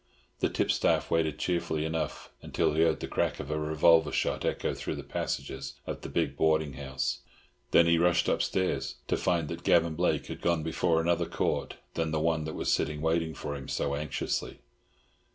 The tipstaff waited cheerfully enough, until he heard the crack of a revolver shot echo through the passages of the big boarding house. Then he rushed upstairs—to find that Gavan Blake had gone before another Court than the one that was waiting for him so anxiously.